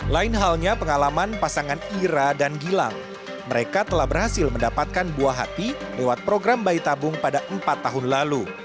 lain halnya pengalaman pasangan ira dan gilang mereka telah berhasil mendapatkan buah hati lewat program bayi tabung pada empat tahun lalu